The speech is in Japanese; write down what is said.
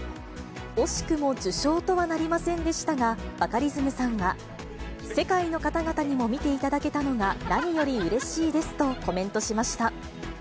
惜しくも受賞とはなりませんでしたが、バカリズムさんは、世界の方々にも見ていただけたのが何よりうれしいですとコメントしました。